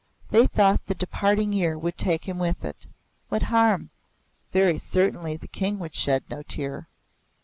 They thought the departing year would take him with it. What harm? Very certainly the King would shed no tear.